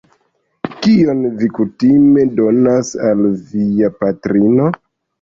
Kion vi kutime donas al via patrino?